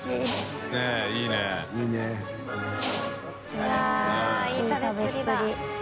うわっいい食べっぷりだ